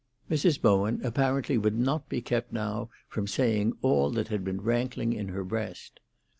Mrs. Bowen apparently would not be kept now from saying all that had been rankling in her breast.